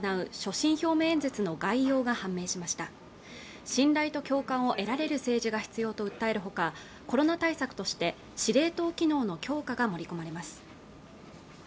信頼と共感を得られる政治が必要と訴えるほかコロナ対策として司令塔機能の強化が盛り込まれます